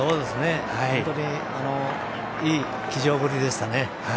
本当にいい騎乗ぶりでしたね。